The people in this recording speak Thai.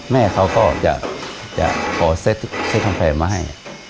แม่เขาก็จะขอเซ็ตกาแฟมาให้